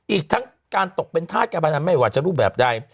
อีกทั้งการตกเป็นธาตุการพนันไม่ว่าจะรูปแบบใด